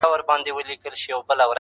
محتسب چي هره ورځ آزارولم -